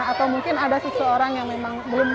atau mungkin ada seseorang yang memang belum